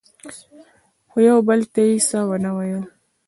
خو یو بل ته یې څه ونه ویل.